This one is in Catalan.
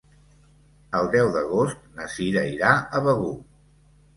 El deu d'agost na Sira irà a Begur.